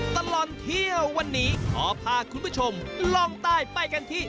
ตลอดเที่ยววันนี้ขอพาคุณผู้ชมลงใต้ไปกันที่